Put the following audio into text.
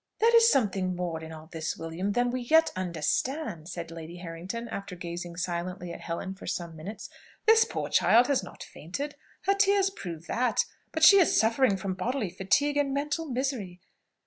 "There is something more in all this, William, than we yet understand," said Lady Harrington, after gazing silently at Helen for some minutes. "This poor child has not fainted, her tears prove that; but she is suffering from bodily fatigue and mental misery.